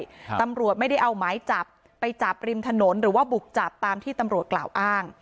ครับตำรวจไม่ได้เอาหมายจับไปจับริมถนนหรือว่าบุกจับตามที่ตำรวจกล่าวอ้าง